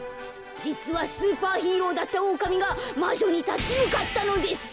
じつはスーパーヒーローだったオオカミがまじょにたちむかったのです。